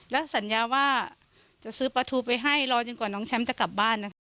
แล้วสัญญาว่าจะซื้อปลาทูไปให้รอจนกว่าน้องแชมป์จะกลับบ้านนะคะ